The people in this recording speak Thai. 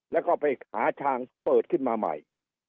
แล้วก็ไปหาทางเปิดขึ้นมาใหม่